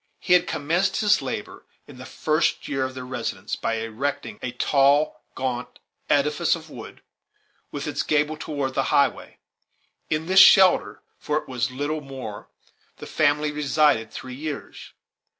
He had commenced his labors, in the first year of their residence, by erecting a tall, gaunt edifice of wood, with its gable toward the highway. In this shelter for it was little more, the family resided three years.